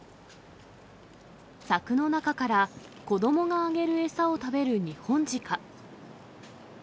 柵の中から子どもがあげる餌を食べるニホンジカ。